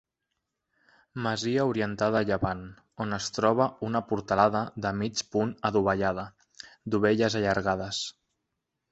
Masia orientada a llevant, on es troba una portalada de mig punt adovellada -dovelles allargades-.